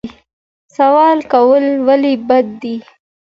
سوال کول ولې بد دي؟